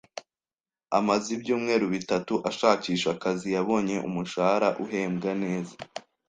Amaze ibyumweru bitatu ashakisha akazi, yabonye umushahara uhembwa neza.